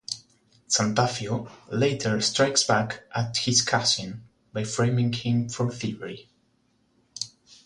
Zantafio later strikes back at his cousin by framing him for thievery.